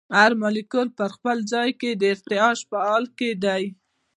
هر مالیکول په خپل ځای کې د ارتعاش په حال کې دی.